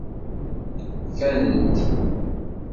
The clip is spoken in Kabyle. Fant.